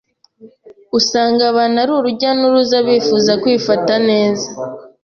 usanga abantu ari urujya n’uruza bifuza kwifata neza,